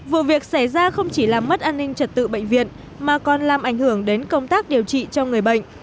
vụ việc xảy ra không chỉ làm mất an ninh trật tự bệnh viện mà còn làm ảnh hưởng đến công tác điều trị cho người bệnh